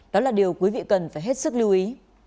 đó là điều quý vị cần phải hết sức lưu ý